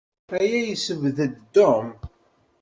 Aya yessebded Tom.